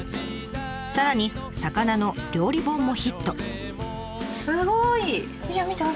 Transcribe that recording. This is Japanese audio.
さらに魚の料理本もヒット。